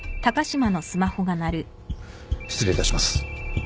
失礼いたします。